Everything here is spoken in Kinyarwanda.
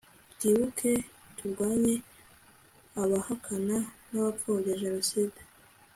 twibuke! turwanye abahakana n' abapfobya jenoside